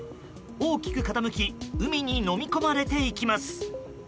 大きく傾き海にのみ込まれていきます。